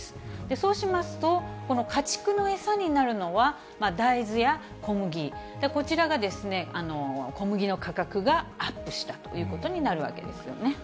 そうしますと、この家畜の餌になるのは大豆や小麦、こちらがですね、小麦の価格がアップしたということになるわけですよね。